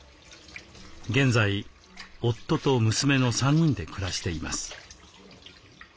現在夫と娘の３人で暮らしています。